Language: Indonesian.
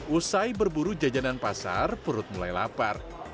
usai berburu jajanan pasar perut mulai lapar